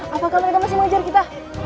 apakah mereka masih mau ujar kita